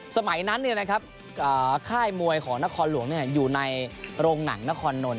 สมัยนั้นเนี่ยนะครับค่ายมวยของนครหลวงเนี่ยอยู่ในโรงหนังนครนล